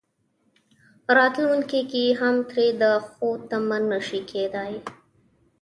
راتلونکي کې هم ترې د ښو تمه نه شي کېدای.